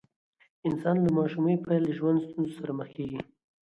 انسان له ماشومۍ پیل د ژوند ستونزو سره مخ کیږي.